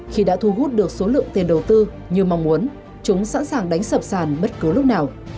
khi đã thu hút được số lượng tiền đầu tư như mong muốn chúng sẵn sàng đánh sập sàn bất cứ lúc nào